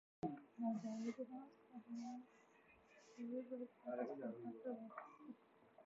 Like the original stadium, the rebuilt park is reconstructed out of wood.